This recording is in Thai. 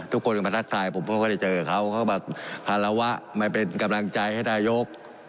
ทุกคนก็มาทักทายผมเขาก็ได้เจอเขาเขาก็แบบภาระวะไม่เป็นกำลังใจให้นายก